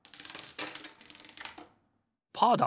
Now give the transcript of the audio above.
パーだ！